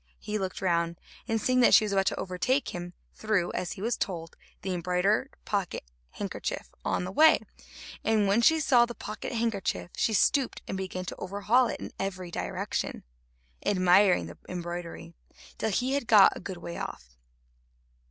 He looked round, and seeing that she was about to overtake him, threw, as he was told, the embroidered pocket handkerchief on the way, and when she saw the pocket handkerchief she stooped and began to overhaul it in every direction, admiring the embroidery, till he had got a good way off.